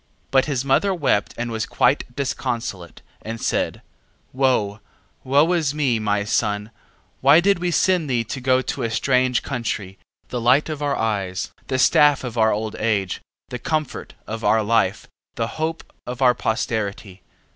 10:4. But his mother wept and was quite disconsolate, and said: Woe, woe is me, my son; why did we send thee to go to a strange country, the light of our eyes, the staff of our old age, the comfort of our life, the hope of our posterity?